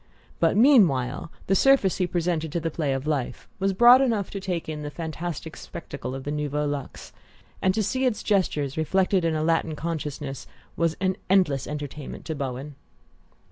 But meanwhile the surface he presented to the play of life was broad enough to take in the fantastic spectacle of the Nouveau Luxe; and to see its gestures reflected in a Latin consciousness was an endless entertainment to Bowen.